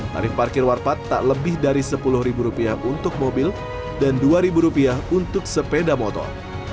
tarif parkir warpat tak lebih dari sepuluh ribu rupiah untuk mobil dan dua ribu rupiah untuk sepeda motor